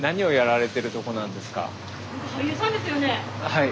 はい。